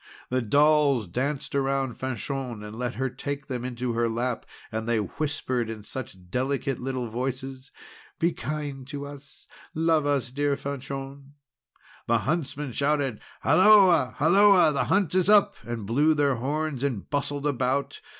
The dolls danced around Fanchon, and let her take them in her lap, and they whispered in such delicate little voices: "Be kind to us! Love us, dear Fanchon." The huntsmen shouted: "Halloa! Halloa! the hunt's up!" and blew their horns, and bustled about.